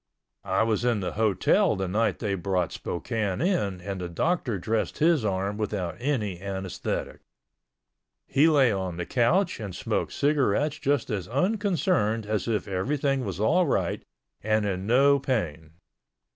I was in the hotel the night they brought Spokane in and the doctor dressed his arm without any anesthetic. He lay on the couch and smoked cigarettes just as unconcerned as if everything was all right and in no pain.